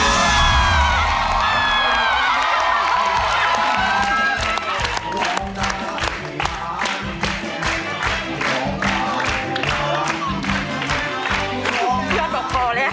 มาก่อน